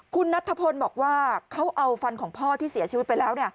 คุณนัทธพลบอกว่าเขาเอาฟันของพ่อที่เสียชีวิตไปแล้ว